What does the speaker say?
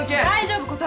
大丈夫。